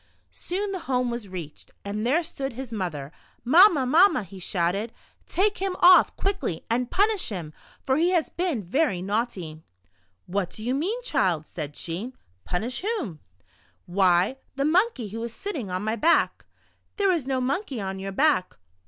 Soon the home was reached, and there stood his mother. "Mamma, Mamma," he shouted, "take him off, quickly, and punish him, for he has been very naughty." "What do you mean, child?" said she. " Punish whom ?" Monkey Tricks in the Jungle. 145 "Why, the Monkey who is sitting on my back."' "There is no monkey on your back."